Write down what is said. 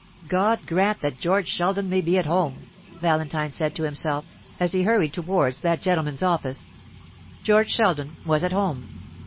"God grant that George Sheldon may be at home!" Valentine said to himself, as he hurried towards that gentleman's office. George Sheldon was at home.